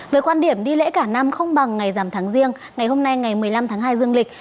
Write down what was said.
về quan điểm đi lễ cả năm không bằng ngày giảm tháng riêng ngày hôm nay ngày một mươi năm tháng hai dương lịch